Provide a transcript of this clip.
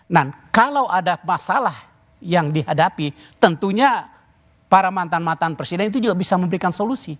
nah kalau ada masalah yang dihadapi tentunya para mantan mantan presiden itu juga bisa memberikan solusi